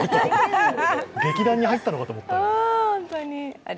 劇団に入ったのかと思ったよ。